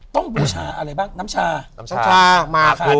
ต้องบูชาอะไรบ้างน้ำชาหมาครู